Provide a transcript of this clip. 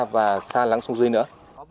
và xa lắng xuống dưới nữa